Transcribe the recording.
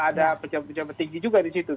ada pejabat pejabat tinggi juga disitu